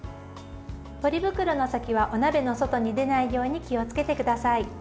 ポリ袋の先はお鍋の外に出ないように気をつけてください。